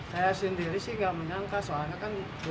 saya sendiri sih gak menyangka soalnya kan dulu